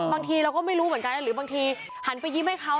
บางทีเราก็ไม่รู้เหมือนกันหรือบางทีหันไปยิ้มให้เขา